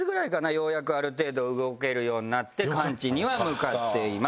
ようやくある程度動けるようになって完治には向かっています。